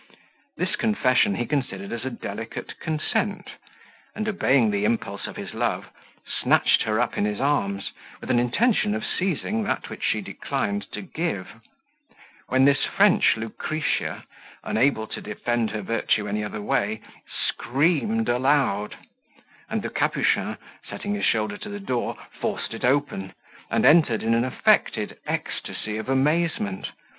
This confession he considered as a delicate consent; and, obeying the impulse of his love, snatched her up in his arms, with an intention of seizing that which she declined to give; when this French Lucretia, unable to defend her virtue any other way, screamed aloud; and the Capuchin, setting his shoulder to the door, forced it open, and entered in an affected ecstasy of amazement.